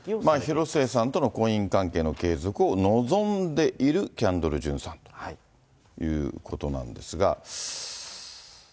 広末さんとの婚姻関係の継続を望んでいるキャンドル・ジュンさんということなんですが。